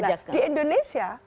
nah di indonesia tidak ada diambil